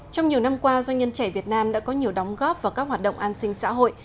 trong nhiều năm qua doanh nhân trẻ việt nam đã có nhiều đóng góp vào các hoạt động an sinh xã hội